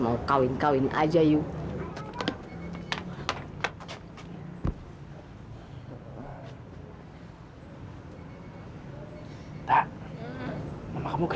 sampai jumpa di video selanjutnya